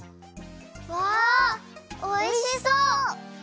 うわおいしそう！